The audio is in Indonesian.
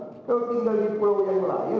kalau tinggal di pulau yang lain